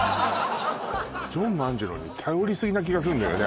ジョン万次郎に頼りすぎな気がすんのよね